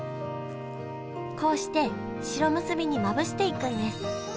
こうして白むすびにまぶしていくんです